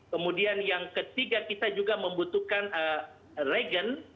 kemudian yang ketiga kita juga membutuhkan regen